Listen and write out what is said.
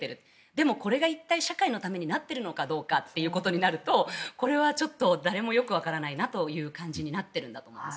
でもこれが一体、社会のためになっているのかどうかということになると誰もよくわからない感じになっているんだと思います。